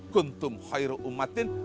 kuntum khairu umatin